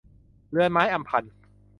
เรือนไม้อำพัน